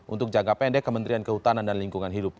untuk jangka pendek kementerian kehutanan dan lingkungan hidup